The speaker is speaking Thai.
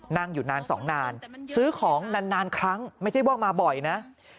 นั่งอยู่นานสองนานซื้อของนานครั้งไม่ใช่ว่ามาบ่อยนะ